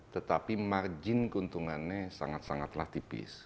tetapi margin keuntungannya sangat sangatlah tipis